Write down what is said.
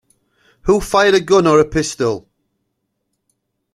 Who fired a gun or pistol?